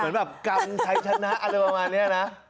กำคล้ายชนะอะไรประมาณนี้นะ